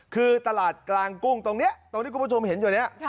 คือตลาดกลางกุ้งตรงนี้ตรงที่คุณผู้ชมเห็นอยู่เนี่ย